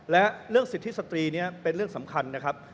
และเรื่องสิทธิสตรีนี้เป็นเรื่องสำคัญนะครับ